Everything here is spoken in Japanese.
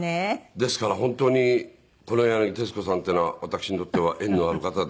ですから本当に黒柳徹子さんっていうのは私にとっては縁のある方で。